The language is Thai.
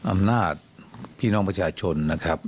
อำนาจพี่น้องประชาชนนะครับ